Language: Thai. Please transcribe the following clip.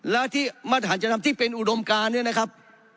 และที่มาตรฐานจะนำที่เป็นอุดมการเนี่ยนะครับ